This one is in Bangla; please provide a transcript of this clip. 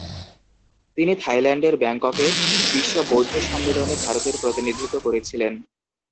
তিনি থাইল্যান্ডের ব্যাংককে বিশ্ব বৌদ্ধ সম্মেলনে ভারতের প্রতিনিধিত্ব করেছিলেন।